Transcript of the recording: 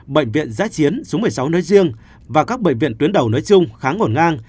bệnh viện giãi chiến xuống một mươi sáu nơi riêng và các bệnh viện tuyến đầu nơi chung khá ngổn ngang